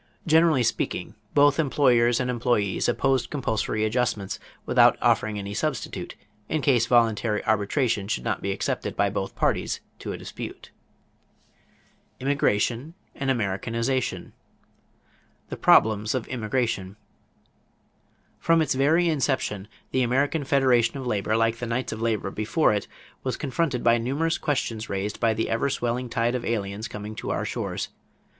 Generally speaking, both employers and employees opposed compulsory adjustments without offering any substitute in case voluntary arbitration should not be accepted by both parties to a dispute. IMMIGRATION AND AMERICANIZATION =The Problems of Immigration.= From its very inception, the American Federation of Labor, like the Knights of Labor before it, was confronted by numerous questions raised by the ever swelling tide of aliens coming to our shores.